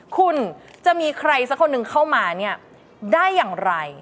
คุณจะมีใครสักคนหนึ่งเข้ามาเนี่ยได้อย่างไร